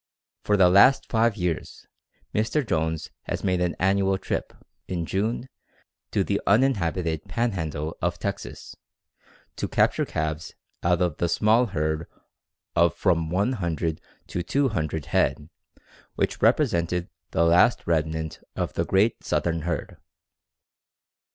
For the last five years Mr. Jones has made an annual trip, in June, to the uninhabited "panhandle" of Texas, to capture calves out of the small herd of from one hundred to two hundred head which represented the last remnant of the great southern herd.